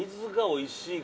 おいしい。